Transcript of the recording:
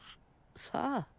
さあ？